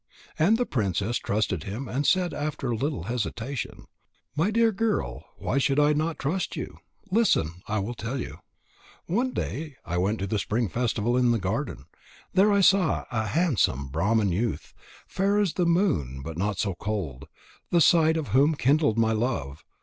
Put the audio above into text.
And the princess trusted him and said after a little hesitation: "My dear girl, why should I not trust you? Listen. I will tell you. One day I went to the spring festival in the garden. There I saw a handsome Brahman youth, fair as the moon but not so cold, the sight of whom kindled my love.